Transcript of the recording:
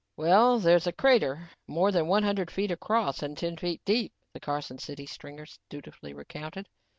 "Well, there's a crater more than one hundred feet across and ten feet deep," the Carson City stringer dutifully recounted.